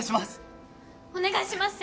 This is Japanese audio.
お願いします！